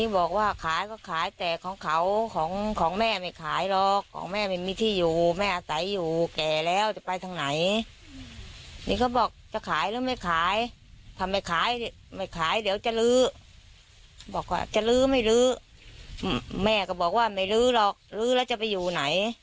บอกว่าจะลื้อไม่ลื้อแม่ก็บอกว่าไม่ลื้อหรอกลื้อแล้วจะไปอยู่ไหน